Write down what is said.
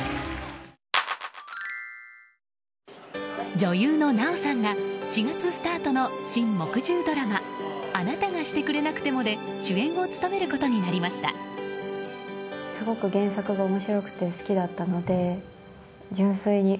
女優の奈緒さんが４月スタートの新木１０ドラマ「あなたがしてくれなくても」で主演を務めることになりました。